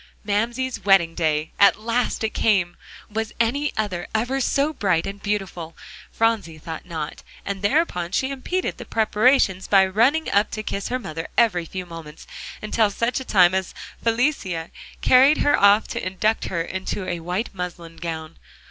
Mamsie's wedding day! At last it came! Was any other ever so bright and beautiful? Phronsie thought not, and thereupon she impeded the preparations by running up to kiss her mother every few moments, until such time as Felicie carried her off to induct her into a white muslin gown.